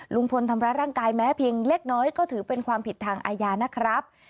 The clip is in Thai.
ลุงพลทำร้ายร่างกายแม้เพียงเล็กน้อยก็ถือเป็นความผิดทางอาญานะครับ